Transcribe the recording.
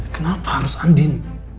kenapa harus andin